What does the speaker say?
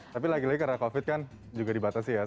tapi lagi lagi karena covid kan juga dibatasi ya